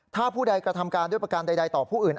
ถ้าผู้ใดกระทำการด้วยประการใดต่อผู้อื่น